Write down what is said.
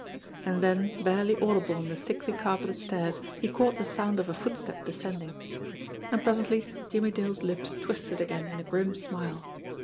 And then, barely audible on the thickly carpeted stairs, he caught the sound of a footstep descending. And presently Jimmie Dale's lips twisted again in a grim smile.